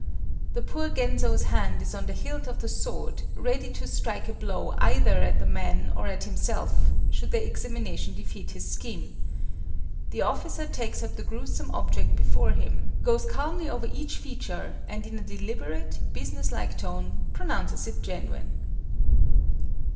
The poor Genzo's hand is on the hilt of the sword, ready to strike a blow either at the man or at himself, should the examination defeat his scheme. The officer takes up the gruesome object before him, goes calmly over each feature, and in a deliberate, business like tone, pronounces it genuine.